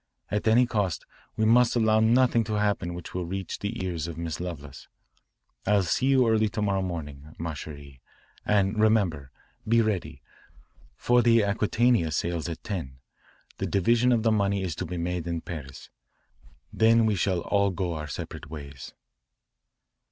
At any cost we must allow nothing to happen which will reach the ears of Miss Lovelace. I'll see you early to morrow morning, ma cherie, and remember, be ready, for the Aquitania sails at ten. The division of the money is to be made in Paris. Then we shall all go our separate ways."